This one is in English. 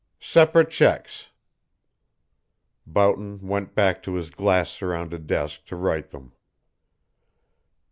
"Separate checks." Boughton went back to his glass surrounded desk to write them.